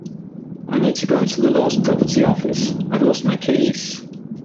I need to go to the lost property office. I’ve lost my keys